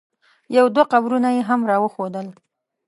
یو دوه قبرونه یې هم را وښودل.